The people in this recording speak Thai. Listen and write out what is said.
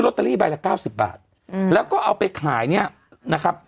ตเตอรี่ใบละเก้าสิบบาทอืมแล้วก็เอาไปขายเนี่ยนะครับ